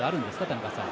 田中さん。